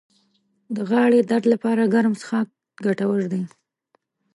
د غاړې درد لپاره ګرم څښاک ګټور دی